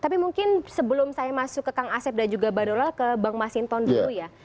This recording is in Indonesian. tapi mungkin sebelum saya masuk ke kang asep dan juga mbak donald ke bang masinton dulu ya